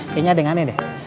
kayaknya ada yang aneh deh